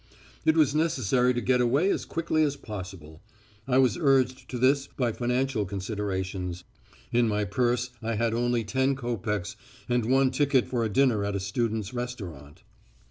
"It was necessary to get away as quickly as possible. I was urged to this by financial considerations in my purse I had only ten copecks and one ticket for a dinner at a student's restaurant.